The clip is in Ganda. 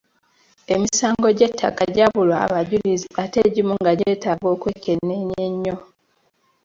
Emisango gy'ettaka gyabulwa abajulizi ate egimu nga gyeetaaga okwekenneenya ennyo.